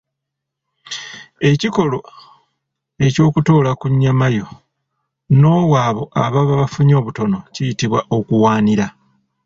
Ekikolwa ekyokutoola ku nnyamayo n'owa abo ababa bafunye obutono kiyitibwa okuwaanira.